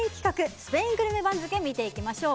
スペイングルメ番付を見ていきましょう。